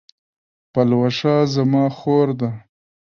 پلوشه زما خور ده